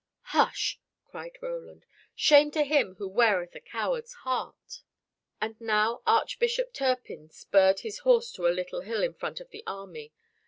"Hush!" cried Roland, "shame to him who weareth a coward's heart." And now Archbishop Turpin spurred his horse to a little hill in front of the army.